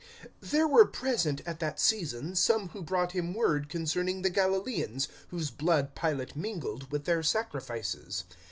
THERE were present at that season some who brought him word concerning the Galilaeans, whose blood Pilate mingled with their sacrifices.